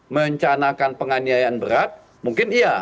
mencanakan penganiayaan berat mungkin iya